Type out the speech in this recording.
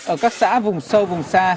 ở các xã vùng sâu vùng xa